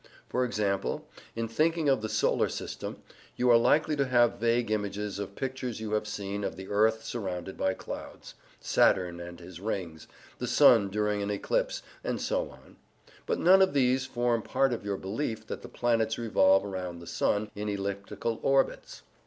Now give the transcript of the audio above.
For example, in thinking of the Solar System, you are likely to have vague images of pictures you have seen of the earth surrounded by clouds, Saturn and his rings, the sun during an eclipse, and so on; but none of these form part of your belief that the planets revolve round the sun in elliptical orbits.